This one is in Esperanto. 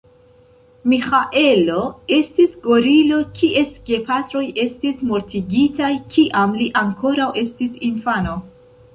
Miĥaelo estis gorilo, kies gepatroj estis mortigitaj, kiam li ankoraŭ estis infano.